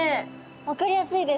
分かりやすいです